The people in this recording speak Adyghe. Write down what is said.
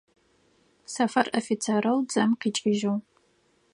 Сэфэр офицерэу дзэм къикӏыжъыгъ.